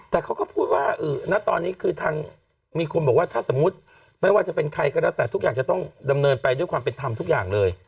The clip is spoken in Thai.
แต่เขาก็พูดว่าณตอนนี้คือทางมีคนบอกว่าถ้าสมมุติไม่ว่าจะเป็นใครก็แล้วแต่ทุกอย่างจะต้องดำเนินไปด้วยความเป็นธรรมทุกอย่างเลย